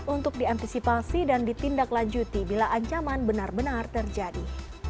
untuk diantisipasi dan ditindaklanjuti bila ancaman benar benar terjadi